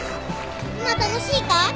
今楽しいか？